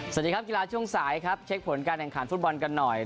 สวัสดีครับกีฬาช่วงสายครับเช็คผลการแข่งขันฟุตบอลกันหน่อย